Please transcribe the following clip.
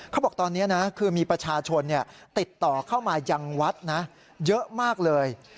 เขาบอกตอนนี้นะคือมีประชาชนติดต่อเข้ามายังวัดนะเยอะมากเลย